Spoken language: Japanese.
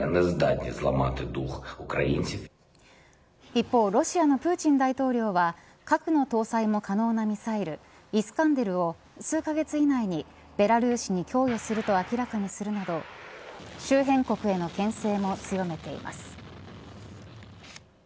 一方ロシアのプーチン大統領は核の搭載も可能なミサイルイスカンデルを数カ月以内にベラルーシに供与すると明らかにするなど周辺国へのけん制も強めています。